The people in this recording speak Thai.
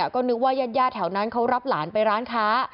ก็นึกว่ายาดแถวนั้นเขารับหลานไปร้านค้า